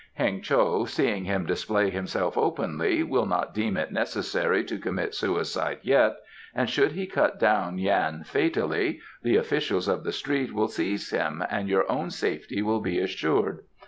Heng cho, seeing him display himself openly, will not deem it necessary to commit suicide yet, and, should he cut down Yan fatally, the officials of the street will seize him and your own safety will be assured.